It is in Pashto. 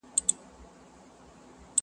په تول به هر څه برابر وي خو افغان به نه وي!.